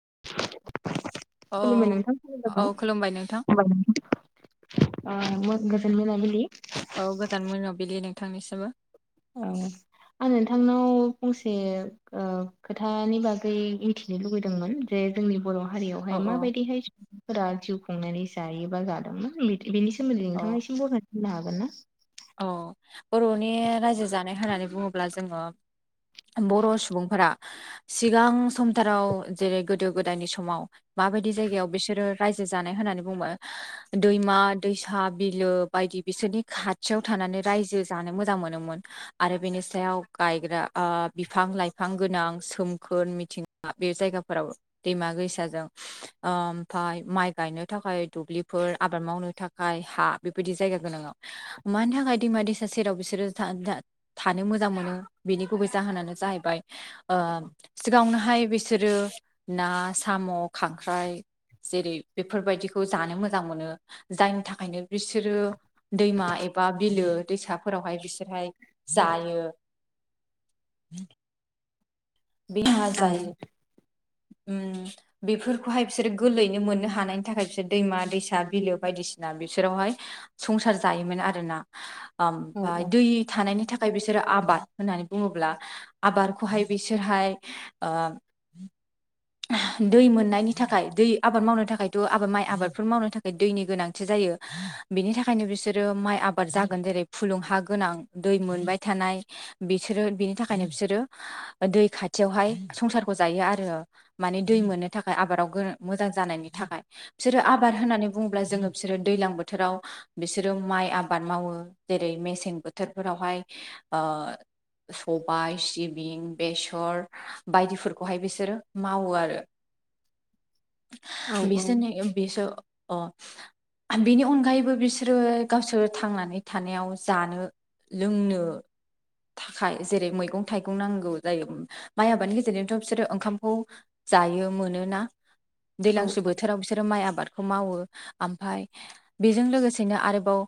[inaudible] औ खुलुमबाय नोंथां खोनादोंबा? औ खुलुमबाय नोंथां [unintelligible] ओ मो गोजोन मोनाबिलि औ गोजोन मोनाबिलि नोंथांनिसिमबो। औ। आं नोंथांनाव फंसे ओ खोथानि बागै मिन्थिनो लुुबैदोंमोन जे जोंनि बर' औ हारियावहाय माबायदिहाय सुबुंफोरा जिउ खुंनानै जायोबा जादोंमोन मिथि बिनि सोमोन्दै औ नोंथाङा एसे बरनायना होनो हागोन ना? औ बर'नि रायजो जानाय होननानै बुङोब्ला जोङो बर' सुबुंफोरा [inaudible] सिगां समथाराव जेरै गोदो गोदायनि समाव माबायदि जायगायाव बिसोरो रायजो जानाय हो होननानै बुंङोबा दैमा दैसा बिलो बायदि बिसोरनि खा खाथियाव थानानै रायजो जानो मोजां मोनोमोन आरो बेनि सायाव गायग्रा ओ बिफां लाइ बिफां गोनां सोमखोर मिथिंगा बे जायगाफोराव दैमा दैसाजों ओम फाय माइ गायनो थाखाय दुब्लिफोर आबाद मावनो थाखाय हा बेबायदि जायगा गोनांआव। मानि थाखाय दैमा दैसा सेराव बिसोरो था-था-थानो मोजां मोनो बिनि गुबै जाहोनानो जाहैबाय ओ सिगाङावनोहाय बिसोरो ना साम' खांख्राइ जेरै बेफोरबायदिखौ जानो मोजां मोनो जायनि थाखायनो बिसोरो दैमा ए बा बिलो दैसाफोरावहाय बिसोरहाय जायो। [inaudible] बे हा औ जायो। उम बेफोरखौहाय बिसोरो गोरलैयैनो मोननो हानायनि थाखाय बिसोर दैमा दैसा बिलो बायदिसिना बिसोरावहाय संसार जायोमोन आरोना। औ ओमफाय औ दै थानायनि थाखाय बिसोरो आबाद होननानै बुङोब्ला आबादखौहाय बिसोर। बिसोरहाय। ए दै मोननायनि थाखाय दै आबाद मावनो थाखायथ' आबाद माइ आबादफोर मावनो थाखाय दैनि गोनांथि जायो। बिनि थाखायनो बिसोरो माइ आबाद जागोन जेरै फुलुं हा गोनां दै मोनबाय थानाय। बिसोरो बिनि थाखायनो बिसोरो दै खाथियावहाय संसारखौ जायो आरो। माने दै मोननो थाखाय आबादाव मोजां जानायनि थाखाय बिसोरो आबाद होननानै बुङोब्ला जोङो बिसोरो दै। दैलां बोथोराव बिसोरो माइ आबाद मावो जेरै मेसें बोथोरफोरावहाय। सबाय, सिबिं, बेसर बायदिफोरखौहाय बिसोरो। मावो आरो औ बिसोरनि बिसोर। अ। बेनि अनगायैबो बिसोरो गावसोर थांनानै थानायाव जानो। लोंनो। थाखाय जेरै मैगं-थाइगं नांगौ जायो माइ आबादनि गेजेरजोंथ' बिसोर ओंखाम। खौ जायो मोनोना औ दैज्लांसु बोथोराव बिसोरो माइ आबादखौ मावो। ओमफफ्राय बेजों लोगोसेनो आरोबाव।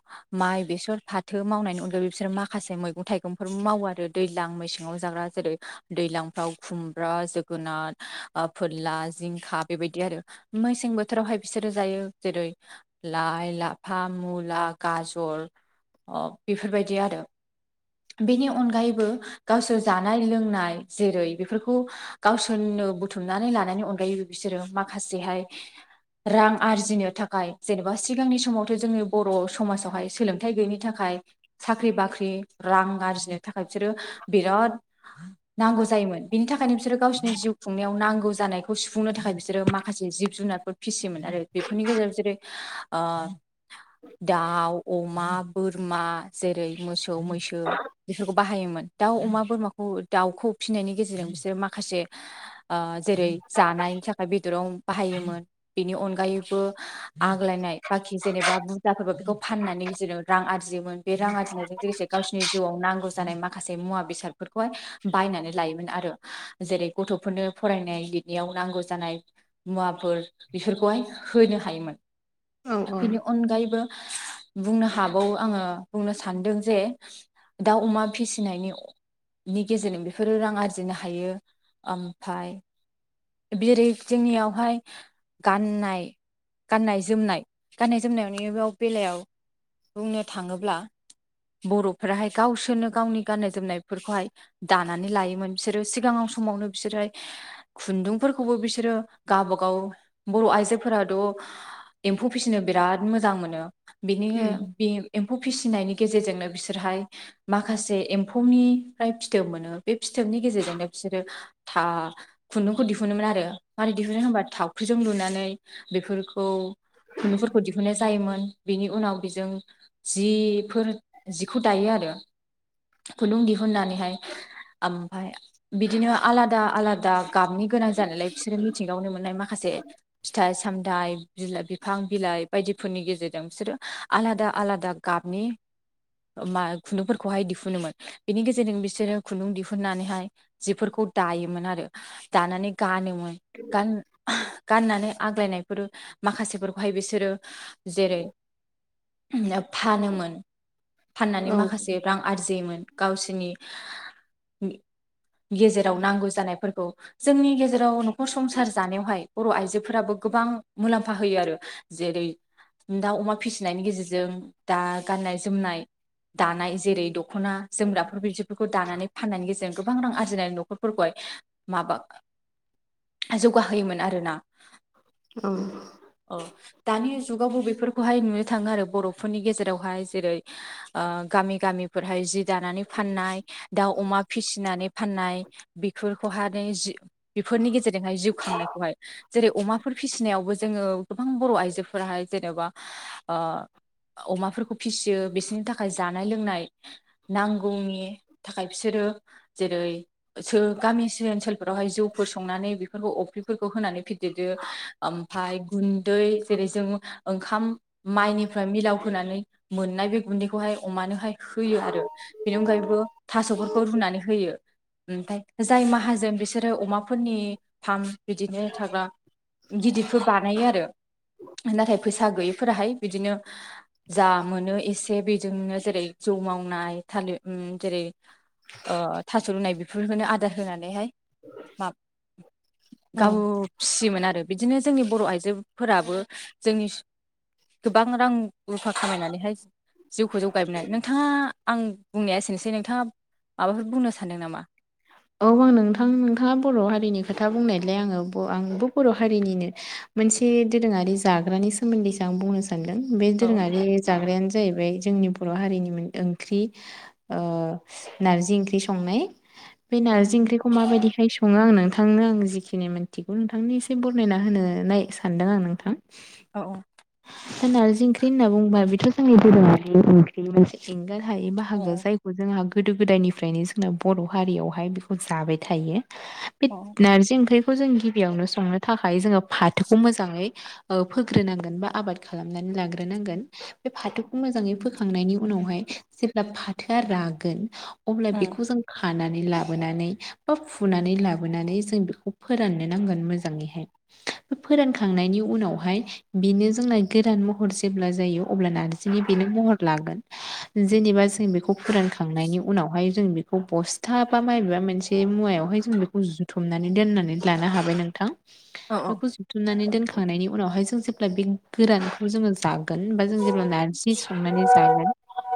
माइ, बेसर, फाथो मावनायनि अनगायै बिसोर माखासे मैगं थाइगंफोर मावो आरो दैज्लां मैसेङाव। जां जेरे दैलांफ्राव खुमब्रा। जोगुनार फोरला जिंखा बेबायदि आरो मेसें बोथोरावहाय बिसोरो जायो जेरै। लाइ लाफा, मुला, गाजर। अ बेफोरबायदि आरो। बेनि अनगायैबो गावसोर जानाय लोंनाय जेरै बेफोरखौ। गावसोरनो बुथुमनानै लानायनि अनगायैबो बिसोरो माखासेहाय। रां आरजिनो थाखाय जेनेबा सिगांनि समावथ' जोंनि बर' समाजावहाय सोलोंथाइ गैयिनि थाखाय। साख्रि बाख्रि रां आरजिनो थाखाय बिसोरो बिराद नांगौ। जायोमोन बिनि थाखायनो बिसोरखौ। गावसोरनि जिउ खुंनायाव नांगौ जानायखौ सुफुंनो थाखाय बिसोरो माखासे जिब जुनारफोर फिसियोमोन आरो बेफोरनि गेजेराव। जेरोय औ। दाउ, अमा, बोरमा जेरै मोसौ, मैसो बेफोरखौ बाहायोमोन। दाउ, अमा, बोरमाखौ दाउखौ फिसिनायनि गेजेरजों बिसोरो माखासे। जेरै जानायनि थाखाय बेदराव बाहायोमोन बेनि अनगायैबो आग्लायनाय बा। जेनेबा। जाबो बेखौ फाननानै गेजेराव रां आरजियोमोन बे रां आरजिनायजों लोगोसे गावसिनि जिउआव नांगौ जानाय माखासे। मुवा बेसादफोरखौहाय बायनानै लायोमोन आरो। जेरै गथ'फोरनो फरायनाय लिरनायाव नांगौ जानाय मुवाफोर बेफोरखौहाय होनो। हायोमोन औ औ बेनि अनगायैबो। बुंनो हाबाव आङो बुंनो सानदों जे दाउ, अमा फिसिनायनि। नि गेजेरजों बेफोरो रां आरजिनो हायो। ओमफाय जेरै जोंनियावहाय। गाननाय। गाननाय जोमनाय गाननाय जोमनाय बेयाव बेलायाव बुंनो थाङोब्ला। बर'फोराहाय गावसोरनो गावनि गाननाय जोमनायफोरखौहाय दानानै लायोमोन बिसोरो सिगाङाव सम। समावनो बिसोरहाय खुन्दुंफोरखौबो बिसोरो गावबागाव बर' आइजोफोराथ' एम्फौ फिसिनो बिराद मोजां मोनो बेनि उम एम्फौ फिसि। फिनायनि गेजेरजोंनो बिसोरहाय माखासे एम्फौनिफ्राय फिथोब मोनो बे फिथोबनि गेजेरजोंनो। बिसोरो था खुन्दुंखौ दिहुनोमोन आरो मारै दिहुनो होनबा थावख्रिजों लुनानै। बेफोरखौ खुन्दुंफोरखौ दिहुननाय जायोमोन बेनि उनाव बेजों जिफोर जिखौ दायो आरो। खुन्दुं दिहुननानै हाय ओमफ्राय बिदिनो आलादा आलादा गाबनि गोनां जानायलाय बिसोरो मिथिंगायावनो मोननाय माखासे फिथाइ सामथाइ बिलाइ बिफां बिलाइ बायदिफोरनि गेजेरजों बिसोरो आलादा आलादा गाबनि मा खुन्दुंफोरखौहाय दिहुनोमोन। बिनि गेजेरजों बिसोरो खुन्दुं दिहुननानैहाय जिफोरखौ दायोमोन आरो दानानै गानोमोन गान गाननानै आग्लायनायफोर माखासेफोरखौहाय बिसोरो जेरै फानोमोन। फाननानै औ माखासे रां आरजियोमोन गावसिरनि गेजेराव नांगौ जानायफोरखौ जोंनि गेजेराव न'खर संसार जानायावहाय बर' आइजोफोराबो गोबां मुलाम्फा होयो आरो जेरै दा अमा फिसिनायनि गेजेरजों दा गाननाय जोमनाय दानाय जेरै दख'ना जोमग्राफोर बिदिफोरखौ दानानै फाननायनि गेजेरजों गोबां रां आरजिनाय न'खर। फोरखौहाय माबा जौगाहोयोमोन आरोना। औ औ दानि जुगावबो बेफोरखौहाय नुनो थाङो आरो बर'फोरनि गेजेरावहाय जेरै गामि गामिफोरहाय जि दानानै फाननाय दाउ अमा फिसि फिसिनानै फाननाय बेफोरखौहाय न बेफोरनि गेजेरजोंहाय जिउ खांनायखौहाय जेरै अमाफोर फिसिनायावबो जोङो गोबां बर' आइजोफोराहाय जेनेबा अमाफोरखौ फिसियो बिसोरनि थाखाय जानाय लोंनाय नांगौनि थाखाय बिसोरो रो जेरै सो गामि ओनसोल ओमफाय गुन दै जेरै जों ओंखाम माइनिफ्राय मिलाव होनानै मोननाय बे गुन्दैखौहाय अमानोहाय होयो आरो बेनि अनगायैबो थास'फोरखौ रुनानै होयो। ओमफ्राय जाय माहाजोन बिसोरो अमाफोरनि फार्म बिदिनो थाग्रा गिदिरखौ बानायो आरो। नाथाय फैसा गैयैफोराहाय बिदिनो जा मोनो एसे बेजोंनो जेरै जौ मावनाय थालिर जेरै थास' होनुनाय बेफोरखौनो आदार होनानैहाय मा औ गाव फिसियोमोन आरो बिदिनो जोंनि बर' आइजोफोराबो जोंनि गोबां रां रुफा खामायनानैहाय जिउखौ जौगायबोनो नोंथाङा आं बुंनाया एसेनोसै नोंथाङा माबाफोर बुंनो सानदों नामा? औ आं नोंथां नोंथाङा बर' हारिनि खोथा बुंनायलाय आङो आंबो बर' हारिनिनो मोनसे दोरोङारि जाग्रानि सोमोन्दैसो आं बुंनो सानदों बे औ दोरोङारि जाग्रायानो जाहैबाय जोंनि बर' हारिनि ओंख्रि ओ नारजि ओंख्रि संनाय। बे औ नारजिओंख्रिखौ माबायदिहाय संङो आंनो नोंथांनो आं जिखिनि मोनथिगौ नोंथांनि एसे बरनायना होनोनाय सानदों आं नोंथां। औ दा नारजि ओंख्रि होनना बुंब्ला बेथ' जोंनि दोरोंआरि ओंख्रि मोनसे एंगार हायै बाहागो औ जायखौ जोंहा गोदो गोदायनिफ्रायनो जोंना बर' हारियावहाय बेखौ जाबाय थायो। बे औ नारजि ओंख्रि जों गिबियावनो संनो थाखाय जोङो फाथोखौ मोजाङै फोग्रोनांगोन बा आबाद खालामनानै लाग्रोनांगोन बे फाथोखौ मोजाङै फोखांनायनि उनावहाय जेब्ला फाथोआ रागोन अब्ला बेखौ जों खानानै लाब बोनानै बा फुनानै लाबोनानै जों बेखौ फोराननो नांगोन मोजाङैहाय। फोरानखांनायनि उनावहाय बेनो जोंना गोरान महर जेब्ला जायो अब्ला नारजिनि बेनो मर महर लागोन जेनिबा जों बेखौ फोरानखांनायनि उनाव बस्था बा मायबा मोनसे मुवायावहाय जों बेखौ जुथुमनानै दोननानै लानो हाबाय नोंथां। औ बेखौ जुथुमनानै दोनखांनायनि उनावहाय जों जेब्ला बे गोरानखौ जोङो जागो गोन बा जों जेब्ला नारजि सनानै जागोन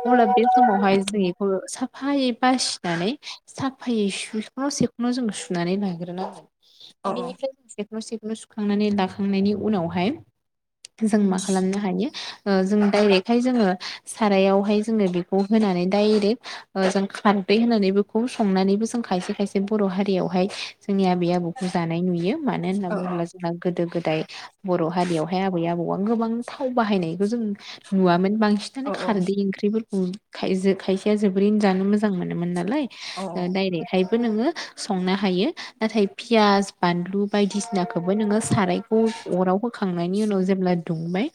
अब्ला बे समावहाय जों बेखौ‌ सा साफायै बासिनानै साफायै सुखनाव सेखनाव जों सुनानै ला ग्रो नोंगोन औ बेनिफ्राय जों सेखन सेखन सुखांनानै लाखांनायनि उनावहाय। जों मा खालामनो हायो जों डाइरेक्टहाय जोङो सारायावहाय जोङो बेखौ होनो होननानै डायरेक ओ जों खारदै होनानैबो ब खौ संनानैबो जों खायसे खायसे बर' हारियावहाय जोंनि आबै आबौखौ जानाय नुयो। मानो होनना बुङोब्ला जोंहा गोदो गोदाय। बर' हारियावहाय आबै आबौआ गोबां थाव बाहायनायखौ जों नुवामोन। बांसिनानो खारदै ओंख्रिफोरखौ खायजो खायसेया जोबोरैनो जानो मोजां मोनोमोन नालाय। ओ डायरेक्हायबो नोङो संनो हायो नाथाय पियास बानलु बायदिसिनाखौबो नोङो सारायखौ अराव होखांनायनि उनाव जेब्ला दुंबाय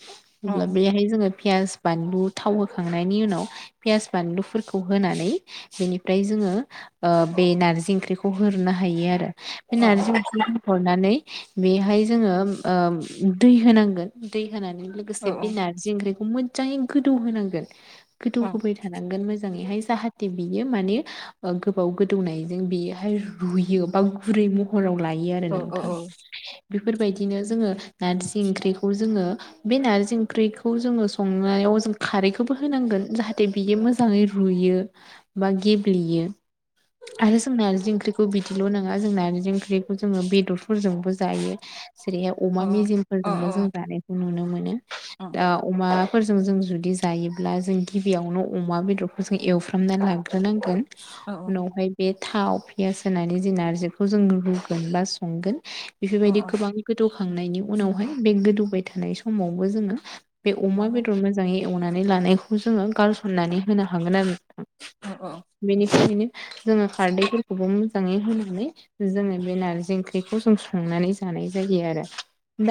अब्ला बेहाय जोङो। पियास बानलु थाव होखांनायनि उनाव पियास बानलुफोरखौ होनानै बेनिफ्राय जोङो ओ बे नार्जि ओंख्रिखौ होननो हायो आरो बे नारजि ओंख्रि होहरनानै बेहाय जोङोम ओ दै होनांगोन दै होनानै अ लोगोसे बे नारजि ओंख्रिखौ मोजाङै गोदौ होनांगोन। गोदौ होबाय थानांगोन मोजाङैहाय जाहाथे बियो माने ओ गोबाव गोदौनायजों बेहाय रुयो बा गुरै महराव लाय आरो नोंथां। बेफोरबायदिनो जोङो नारजि ओंख्रिखौ जोङो बे नारजि ओंख्रिखौ जोङो संनायाव याव खारैखौबो होनांगोन जाहाथे बियो मोजांयै रुयो बा गेब ल्बेयो। आरो जों नारजि ओंख्रिखौ बिदिल' नङा जों नारजि ओंख्रिखौ जोङो बेदरफोरजोंबो जायो। जेरैहाय अमा अ मेजेमफोरजोंबो जों जानायखौ नुनो मोनो दा अमा फोरजों जों जुदि जायोब्ला जों गिबियावनो अमा बेदरखौ जों एवफ्रामनानै लाग्रोनांगोन। उनावहाय बे थाव पियास होनानै जे नारजिखौ जों रुगोन बा संगोन बेफोरबायदि गोबां गोदौ खांनायनि उनावहाय बे गोदौबाय थानाय समावबो जोङो बे अमा बेदर मोजाङै एवनानै लानायखौ जोङो गारसननानै होनो हागोन आरो नोंथां। अ अ। बेनिखायनो जोङो खारदैफोरखौबो मोजाङै होनानै जोङो बे नारजि ओख्रिखौ जों संनानै जानाय जायो आरो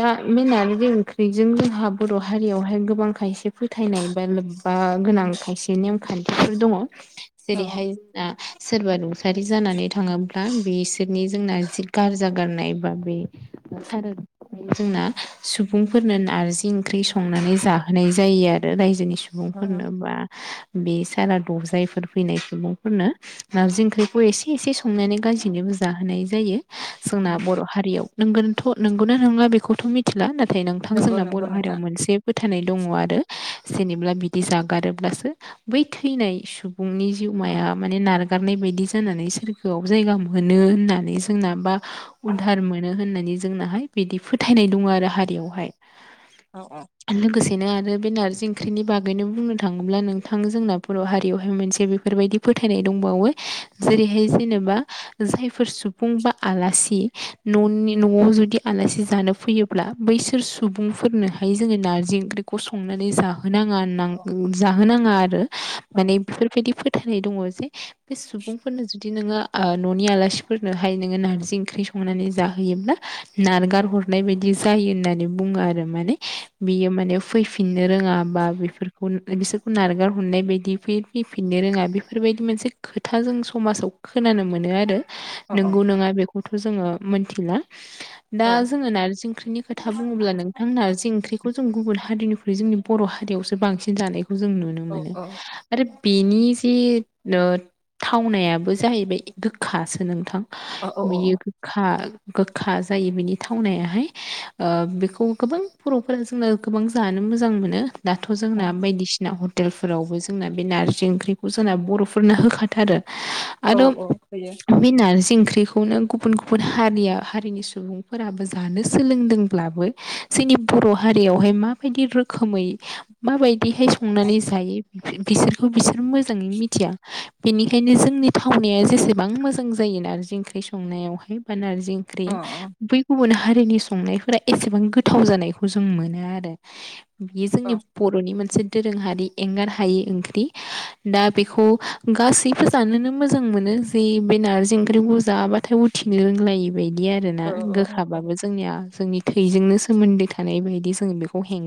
दा बे नारजि ओंख्रिजों जोंहा बर' हारियावहाय गोबां खायसे फोथायनाय बा लोब्बा गोनां खायसे नेमखान्थिफोर दङ। जेरैहाय जोंना सोरबा रुंसारि जानानै थाङोब्ला बिसोरनि जोंना जि गारजा गारनाय बा बे थारनाय जोंना सुबुंफोरनो नारजि ओंख्रि संनानै जाहोनाय जायो आरो। रो रायजोनि अ सुबुंफोरनो बा बे सारादु जायफोर फैनाय सुबुंफोरनो नारजि ओंख्रिखौ एसे एसे संनानै गासैनोबो जाहोनाय जायो। अ जोंना बर' हारियाव नोंगोनथ' नंगौना नंला बेखौथ' मिथिला नाथ थाय नोंथां नंगौ जोंना बर' नंगौ हारियाव नोंथां मोनसे फोथ थायनाय दङ आरो जेनेब्ला बिदि जागारोब्लासो बै थैनाय सुब बुंनि जिउमाया माने नारगारनाय बायदि जानानै सोरगोआव जायगा मोनो होननानै जोंना बा उधार मोनो होननानै जोंनाहाय बिदि फोथायनाय दङ आरो हारियावहाय। अ औ। बेनो आरो बे नारजि ओंख्रिनि बागैनो बुंनो थाङोब्ला नोंथां जोंना बर' हारियाव ह मोनसे बेफोरबायदि फोथायनाय दंबावो जेरैहाय जेनेबा जायफोर सुबुं बा आलासि न'नि न'आव जुदि आलासि जानो फैयोब्ला बैसोर सुबुंफोरनो ह य जोङो नारजि ओंख्रिखौ संनानै जाहोनाङा जाहोनाङा आरो। ओं। फोरबायदि फोथायनाय दङ जे बे सुबुंफोरनो जुदि नोङो ओ न'नि आलासिफोरनोहाय नोङो नार नारजि ओंख्रि संनानै जाहोयोब्ला नारगार हरनाय बायदि जायो होननानै बुङो आरो माने बियो माने फैफिननो रोङा बा बेफोरखौ बिसोरखौ नारगार हरनाय बायदि फैफिननो रोङा बेफोरबायदि मोनसे खोथा जों समाजाव खोनानो मोनो आरो औ औ नंगौ नङा बेखौथ' जोङो मोनथिला दा जोङो नारजि ओंख्रिनि खोथा बुङोब्ला नोंथां नारजि ओंख्रि खौ जों गुबुन हारिनिख्रुइ जोंनि बर' हारियावसो बांसिन जानायखौ जों नुनो औ मोनो। औ बिनि जे ओ थावनायाबो जाहैबाय गोखासो नोंथां औ बेयो गोखा गोखा जायो बिनि थावनायाहाय ओ बेखौ गोबां बर'फोरा जोंना गोबां जानो मोजां मोन दाथ' जोंना बायदिसिना हटेलफोरावबो जोंना बे नारजि ओंख्रिखौ जोंना बर'फोरनो होखाथारो औ आरो औ होयो बे नारजि ओं ख्रिखौनो गुबुन गुबुन हारि हारिनि सुबुंफोराबो जानो सोलोंदोंब्लाबो जों नि बर' हारियावहाय माबायदि रोखोमै माबायदिहाय संनानै जायो बिसोरखौ बिसोर मोजाङै मिथिया बेनिखायनो जोंनि थावनाया जेसेबां मोजां जायो नारजि ओंख्रि संनायावहाय बा नारजि ओंख्रि अ बै गुबन हा रिनि संनायफोरा एसेबां गोथाव जानायखौ जों मोनो आरो बेयो अ जोंनि बर'नि मोनसे दोरोङारि एंगार हायि ओंख्रि दा बेखौ गासैबो जानोनो मोजां मोनो जे बे नारजि ओंख्रिखौ जाबाथाय उथिंनो रोंलायि बायदि आरो ना औ औ गोखाबाबो जोंनिया जोंनि थैजोंनो सोमोन्दो थानाय बायदि जोंबेखौ हें